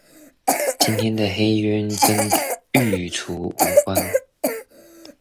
今天的黑鳶跟育雛無關